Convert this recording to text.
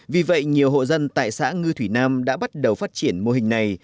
vì vậy nhiều hộ dân tại xã ngư thủy nam đã bắt đầu phát triển mô hình này